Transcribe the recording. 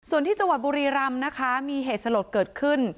ส่วนที่จังหวัดบุรีรำนะคะมีเหตุสลดเกิดขึ้น